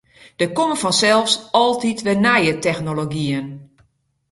Der komme fansels altyd wer nije technologyen.